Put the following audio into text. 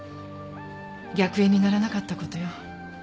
逆縁にならなかった事よ。